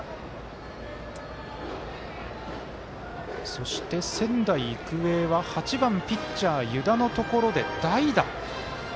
そして、仙台育英は８番ピッチャー湯田のところで代打。